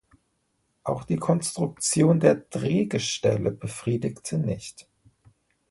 Auch die Konstruktion der Drehgestelle befriedigte nicht.